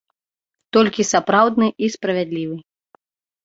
Толькі сапраўдны і справядлівы.